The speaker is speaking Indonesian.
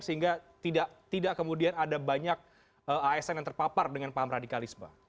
sehingga tidak kemudian ada banyak asn yang terpapar dengan paham radikalisme